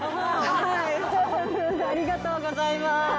ありがとうございます。